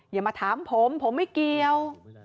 อย่ามาถามผมผมไม่เกี่ยว